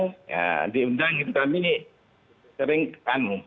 ya diundang kami ini sering kanu